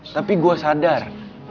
tapi gue sadar